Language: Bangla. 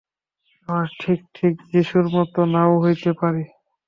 আমি ঠিক ঠিক যীশুর মত নাও হইতে পারি।